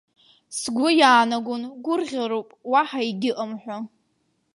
Сгәы иаанагон, гәырӷьароуп уаҳа егьыҟам ҳәа.